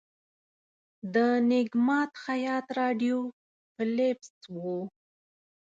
د نیک ماد خیاط راډیو فلپس وه.